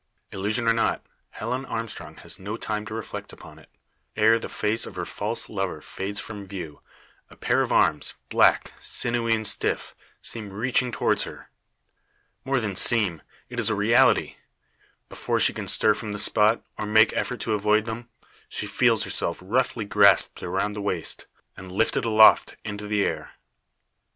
Illusion or not, Helen Armstrong has no time to reflect upon it. Ere the face of her false lover fades from view; a pair of arms, black, sinewy, and stiff, seem reaching towards her! More than seem; it is a reality. Before she can stir from the spot, or make effort to avoid them, she feels herself roughly grasped around the waist, and lifted aloft into the air.